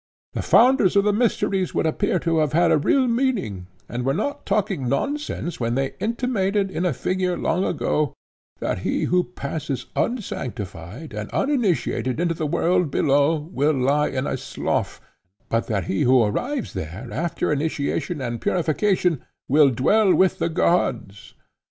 The founders of the mysteries would appear to have had a real meaning, and were not talking nonsense when they intimated in a figure long ago that he who passes unsanctified and uninitiated into the world below will lie in a slough, but that he who arrives there after initiation and purification will dwell with the gods.